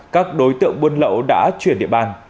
các đối tượng buôn lậu đã chuyển địa bàn